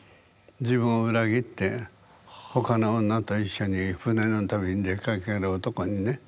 自分を裏切って他の女と一緒に船の旅に出かける男にね